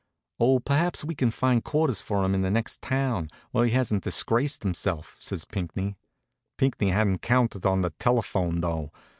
"Oh, perhaps we can find quarters for him in the next town, where he hasn't disgraced himself," says Pinckney. Pinckney hadn't counted on the telephone, though.